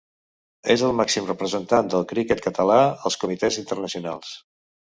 És el màxim representant del criquet català als comitès internacionals.